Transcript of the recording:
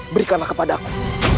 berikanlah kepada aku